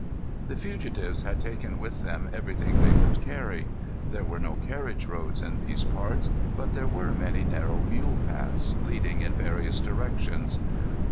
The fugitives had taken with them everything they could carry. There were no carriage roads in those parts. But there were many narrow mule paths, leading in various directions.